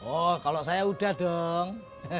oh kalau saya udah dong